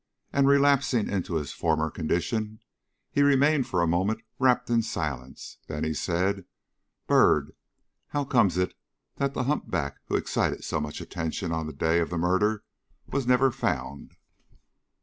And, relapsing into his former condition, he remained for a moment wrapped in silence, then he said: "Byrd, how comes it that the humpback who excited so much attention on the day of the murder was never found?"